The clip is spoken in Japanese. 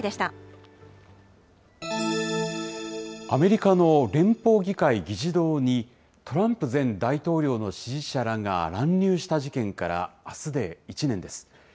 アメリカの連邦議会議事堂に、トランプ前大統領の支持者らが乱入した事件からあすで１年です。